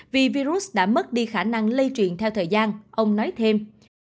vì virus đã mất đi khả năng lây truyền theo thời gian ông nói thêm